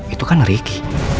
itu kan ricky